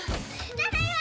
ただいま！